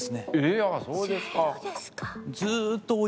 いやあそうですか。